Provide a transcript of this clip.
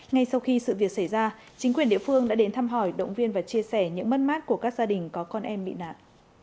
ngay sau khi sự việc xảy ra chính quyền địa phương đã đến thăm hỏi động viên và chia sẻ những mất mát của các gia đình có con em bị nạn